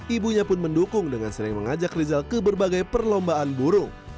ibunya pun mendukung dengan sering mengajak rizal ke berbagai perlombaan burung